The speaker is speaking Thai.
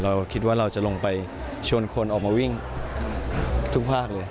เราคิดว่าเราจะลงไปชวนคนออกมาวิ่งทุกภาคเลย